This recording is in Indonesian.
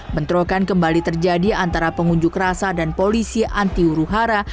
bentrokan kembali terjadi antara pengunjuk rasa dan polisi anti huru hara